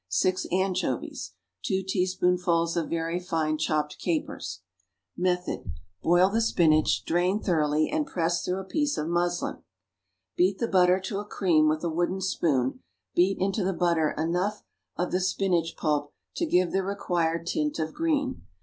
6 anchovies. 2 teaspoonfuls of very fine chopped capers. Method. Boil the spinach, drain thoroughly, and press through a piece of muslin. Beat the butter to a cream with a wooden spoon; beat into the butter enough of the spinach pulp to give the required tint of green.